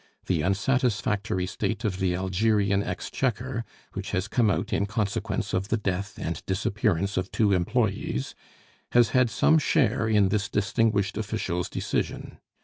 The unsatisfactory state of the Algerian exchequer, which has come out in consequence of the death and disappearance of two employes, has had some share in this distinguished official's decision.